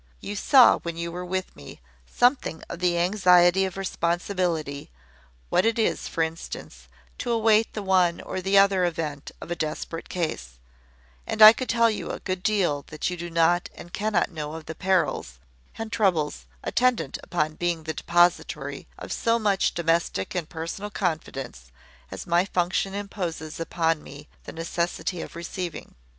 You saw, when you were with me, something of the anxiety of responsibility; what it is, for instance, to await the one or the other event of a desperate case: and I could tell you a good deal that you do not and cannot know of the perils, and troubles attendant upon being the depository of so much domestic and personal confidence as my function imposes upon me the necessity of receiving.